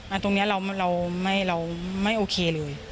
อันตรงนี้เราไม่เราไม่โอเคเลย